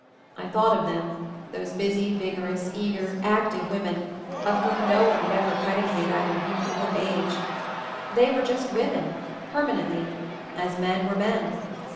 I thought of them, those busy, vigorous, eager, active women, of whom no one would ever predicate either youth or age ; they were just women, permanently, as men were men.